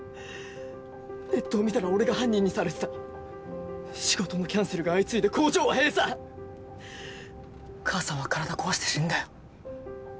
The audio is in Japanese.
ネットを見たら俺が犯人にされてた仕事のキャンセルが相次いで工場は閉鎖母さんは体壊して死んだよ